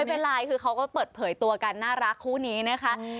ไม่เป็นไรคือเขาก็เปิดเผยตัวกันน่ารักคู่นี้นะคะ